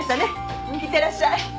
いってらっしゃい。